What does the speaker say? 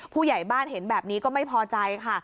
ผู้ใหญ่บ้านเห็นแบบนี้ก็ไม่พอใจค่ะ